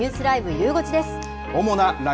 ゆう５時です。